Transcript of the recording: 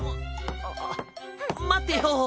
あっまってよ！